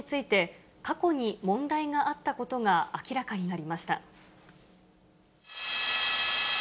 崩落した盛り土について、過去に問題があったことが明らかになりました。